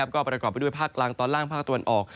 ก็ประกอบไปด้วยภาคกลางตอนล่างภาคตะวันออก